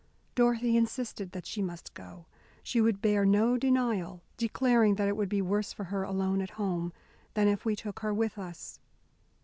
Dorothy insisted that she must go. She would bear no denial, declaring that it would be worse for her alone at home, than if we took her with us.